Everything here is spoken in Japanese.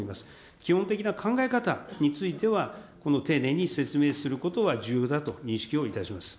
基本的な考え方については、この丁寧に説明することは重要だと認識をいたします。